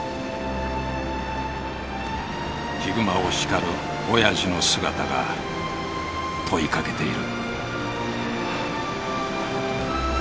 ヒグマを叱るおやじの姿が問いかけている。